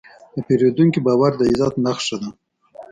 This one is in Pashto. د پیرودونکي باور د عزت نښه ده.